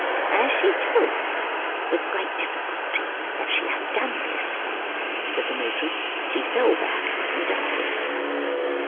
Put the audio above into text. "As she told me, with great difficulty, that she had done this," said the matron, "she fell back and died."